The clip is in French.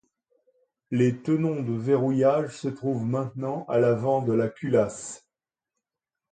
Les tenons de verrouillage se trouvent maintenant à l'avant de la culasse.